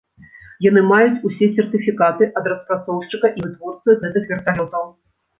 Яны маюць усе сертыфікаты ад распрацоўшчыка і вытворцы гэтых верталётаў.